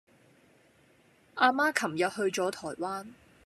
阿媽琴日去左台灣